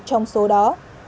trong số đó